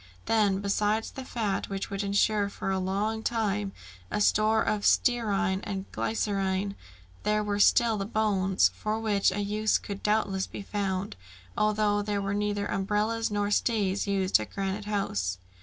Then, besides the fat, which would insure for a long time a store of stearine and glycerine, there were still the bones, for which a use could doubtless be found, although there were neither umbrellas nor stays used at Granite House.